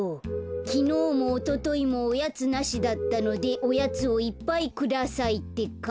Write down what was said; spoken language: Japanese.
「きのうもおとといもおやつなしだったのでおやつをいっぱいくださいってか」。